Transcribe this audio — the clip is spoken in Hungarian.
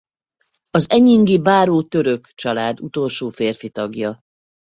Az enyingi báró Török család utolsó férfi tagja.